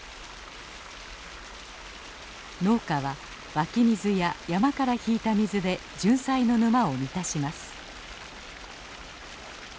農家は湧き水や山から引いた水でジュンサイの沼を満たします。